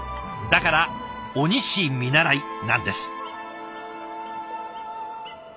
だから「鬼師見習い」なんです。